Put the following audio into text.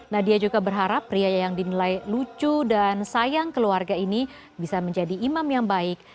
nadia juga berharap pria yang dinilai lucu dan sayang keluarga ini bisa menjadi imam yang baik